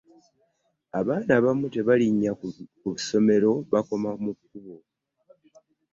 Abaana abamu tebalinnya ku ssomero bakoma mu kkubo.